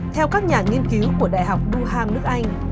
theo các nhà nghiên cứu của đại học du ham nước anh